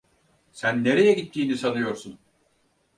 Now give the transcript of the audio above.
Sen nereye gittiğini sanıyorsun?